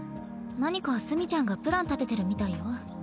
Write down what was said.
何か墨ちゃんがプラン立ててるみたいよ。